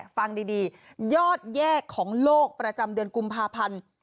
ฟังดียอดแยกของโลกประจำเดือนกุมภาพันธ์